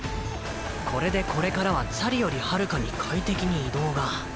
これでこれからはチャリよりはるかに快適に移動が。